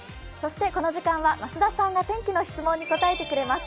この時間は増田さんが天気の質問に答えてくれます。